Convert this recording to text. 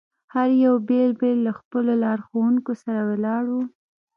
هر یو بېل بېل له خپلو لارښوونکو سره ولاړ دي.